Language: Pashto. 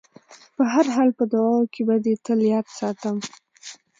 په هر حال په دعاوو کې به دې تل یاد ساتم.